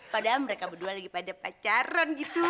padahal mereka berdua lagi pada pacaran gitu